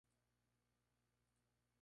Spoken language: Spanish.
Domino's Pizza tiene su sede en el municipio.